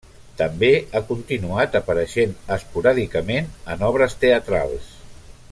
També ha continuat apareixent esporàdicament en obres teatrals.